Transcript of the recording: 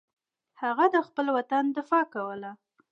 هغه د خپل وطن دفاع کوله.